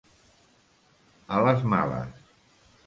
A les males.